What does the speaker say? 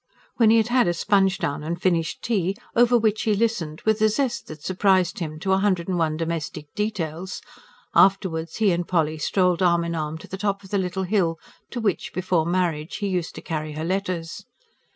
When he had had a sponge down and finished tea, over which he listened, with a zest that surprised him, to a hundred and one domestic details: afterwards he and Polly strolled arm in arm to the top of the little hill to which, before marriage, he used to carry her letters.